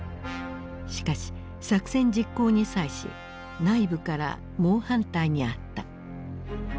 しかし作戦実行に際し内部から猛反対にあった。